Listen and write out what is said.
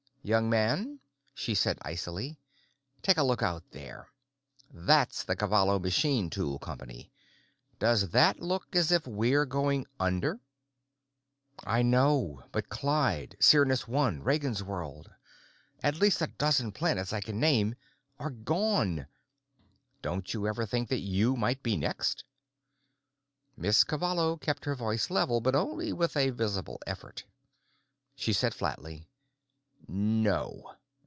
"Young man," she said icily, "take a look out there. That's the Cavallo Machine Tool Company. Does that look as if we're going under?" "I know, but Clyde, Cyrnus One, Ragansworld—at least a dozen planets I can name—are gone. Didn't you ever think that you might be next?" Miss Cavallo kept her voice level, but only with a visible effort. She said flatly, "No.